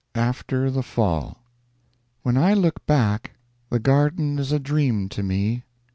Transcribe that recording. After the Fall When I look back, the Garden is a dream to me.